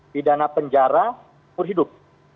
pidana penjara berhidup